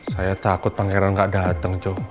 saya takut pangeran gak dateng joe